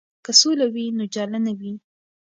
که سوله وي نو جاله نه وي.